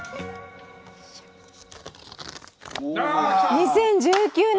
２０１９年